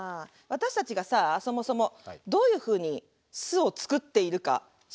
私たちがさそもそもどういうふうに巣をつくっているか知らないでしょ？